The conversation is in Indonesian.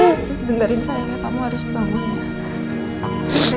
dengarin saya ya kamu harus bangun ya